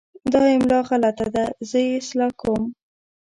دا املا غلط ده، زه یې اصلاح کوم.